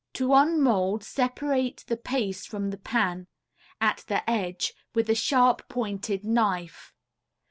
To unmold separate the paste from the pan at the edge with a sharp pointed knife.